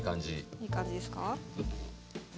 いい感じですか？